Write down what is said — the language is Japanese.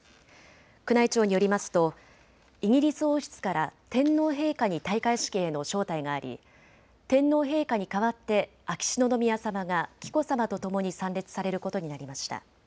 宮内庁によりますとイギリス王室から天皇陛下に戴冠式への招待があり天皇陛下に代わって秋篠宮さまが紀子さまとともに参列されることになりました。